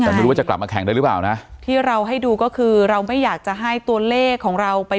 แต่ไม่รู้ว่าจะกลับมาแข่งได้หรือเปล่านะที่เราให้ดูก็คือเราไม่อยากจะให้ตัวเลขของเราไป